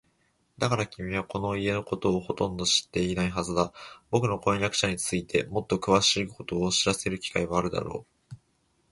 だから、君はこの家のことはほとんど知っていないはずだ。ぼくの婚約者についてもっとくわしいことを知らせる機会はあるだろう。